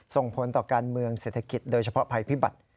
ส่งผลต่อการเมืองเศรษฐกิจโดยเฉพาะภัยพิบัติ